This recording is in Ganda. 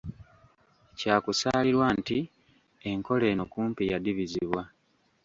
Kyakusaalirwa nti enkola eno kumpi yadibizibwa.